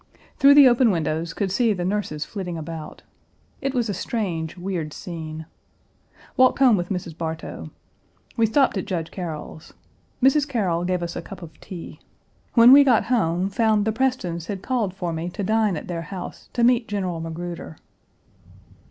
Through the open windows, could see the nurses flitting about. It was a strange, weird scene. Walked home with Mrs. Bartow. We stopped at Judge Carroll's. Mrs. Carroll gave us a cup of tea. When we got home, found the Prestons had called for me to dine at their house to meet General Magruder.